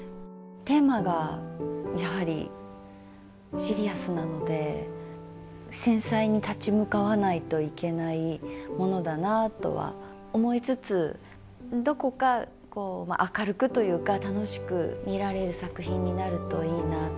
テーマがやはりシリアスなので繊細に立ち向かわないといけないものだなとは思いつつどこかこう明るくというか楽しく見られる作品になるといいなと。